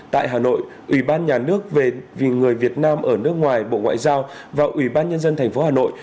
tại hà nội ủy ban nhà nước về người việt nam ở nước ngoài bộ ngoại giao và ủy ban nhân dân thành phố hà nội